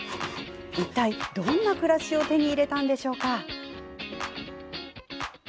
いったい、どんな暮らしを手に入れたのでしょうか？